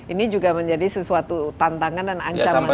ini juga menjadi sesuatu tantangan dan ancaman juga